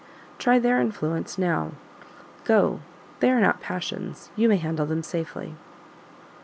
Try their influence now. Go they are not passions; you may handle them safely."